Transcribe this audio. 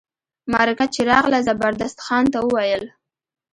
مرکه چي راغله زبردست خان ته وویل.